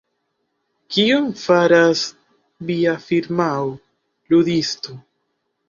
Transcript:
Kion faras via firmao, Ludisto?